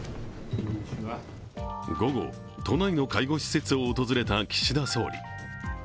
午後、都内の介護施設を訪れた岸田総理。